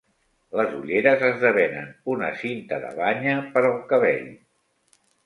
Les ulleres esdevenen una cinta de banya per al cabell.